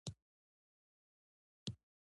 له ناموسه پرته هر څه ته درته ولاړ يم.